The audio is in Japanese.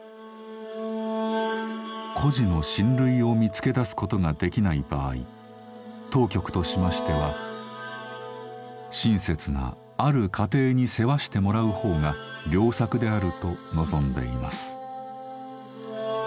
「孤児の親類を見つけ出すことが出来ない場合当局としましては親切なある家庭に世話してもらう方が良策であると望んでいます」。